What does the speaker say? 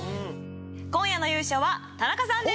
今夜の優勝は田中さんです。